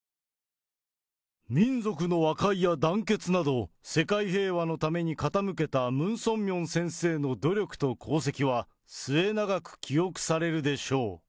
民族の和解や団結など、世界平和のために傾けたムン・ソンミョン先生の努力と功績は、末永く記憶されるでしょう。